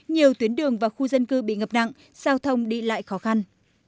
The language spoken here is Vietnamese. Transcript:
nhiều tuyến đường và khu dân cư bị ngập nặng giao thông đi lại khó khăn